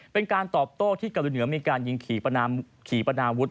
เป็นการตอบโต้ที่เกาหลีเหนือมีการยิงขี่ปนาวุฒ